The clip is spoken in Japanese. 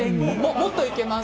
もっといけます。